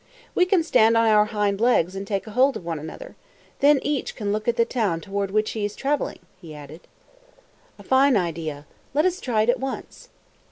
"We can stand on our hind legs and take hold of one another. Then each can look at the town toward which he is traveling," he added. "A fine idea! Let us try it at once."